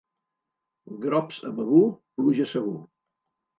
Grops a Begur, pluja segur.